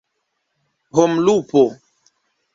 homlupo